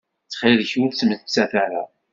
Ttxil-k ur ttmettat ara.